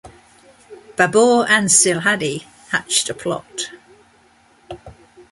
Babur and Silhadi hatched a plot.